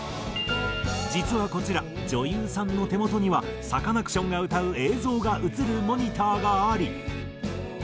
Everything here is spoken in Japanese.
実はこちら女優さんの手元にはサカナクションが歌う映像が映るモニターがあり。